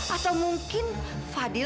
atau mungkin fadil